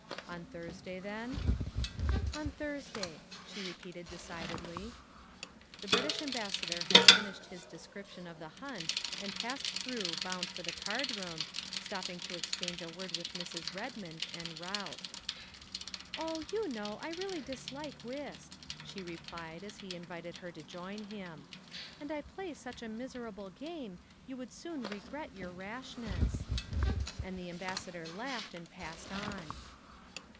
On Thursday then?" " On Thursday," she repeated decidedly. The British Ambassador had finished his description of the hunt and passed through bound for the card room, THE SECRETARY OF STATE 153 stopping to exchange a word with Mrs. Redmond en route. " Oh, you know, I really dislike whist," she replied as he invited her to join him, " and I play such a miser able game you would soon regret your rashness. '' And the Ambassador laughed and passed on.